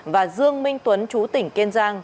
và dương minh tuấn trú tỉnh kiên giang